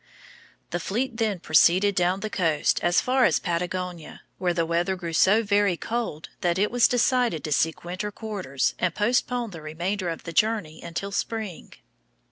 The fleet then proceeded down the coast as far as Patagonia, where the weather grew so very cold that it was decided to seek winter quarters and postpone the remainder of the journey until spring.